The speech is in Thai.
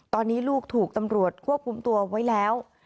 ตอนนี้ลูกถูกตำรวจควบคุมตัวไว้แล้ว